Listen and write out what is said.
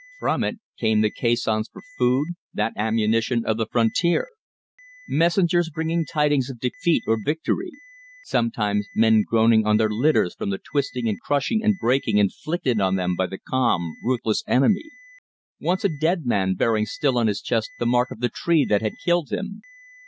From it came the caissons for food, that ammunition of the frontier; messengers bringing tidings of defeat or victory; sometimes men groaning on their litters from the twisting and crushing and breaking inflicted on them by the calm, ruthless enemy; once a dead man bearing still on his chest the mark of the tree that had killed him.